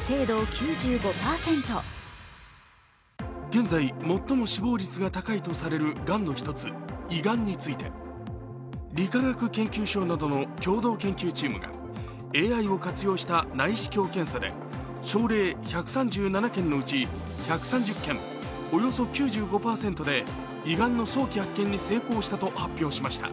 現在、最も死亡率が高いとされるがんの一つ、胃がんについて理化学研究所などの共同研究チームがＡＩを活用した内視鏡検査で症例１３７件のうち１３０件、およそ９５％で胃がんの早期発見に成功したと発表しました。